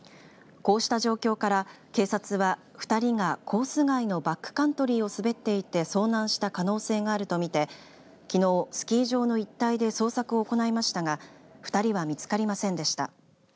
こうした状況から警察は２人がコース外のバックカントリーを滑っていて遭難した可能性があると見てきのうスキー場の一帯で捜索を行いましたが２人は見つかりませんでした。